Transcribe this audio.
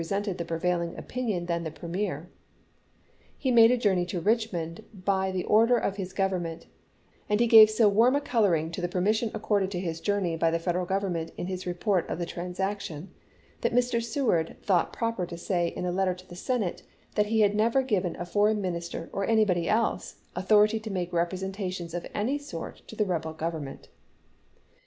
sented the prevailing opinion than the premier. He made a journey to Richmond by the order of his Government, and he gave so warm a coloring to the permission accorded to his joui'ney by the Federal Government in his report of the trans action that Mr. Seward thought proper to say in a letter to the Senate that he had never given a foreign minister, or anybody else, authority to make repre sentations of any sort to the rebel Government.